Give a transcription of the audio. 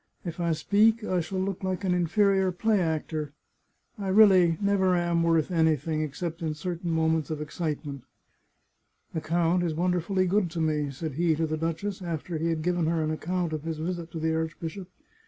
If I speak, I shall look like an inferior play actor. I really never am worth anything, ex cept in certain moments of excitement." " The count is wonderfully good to me," said he to the duchess, after he had given her an account of his visit to the archbishop.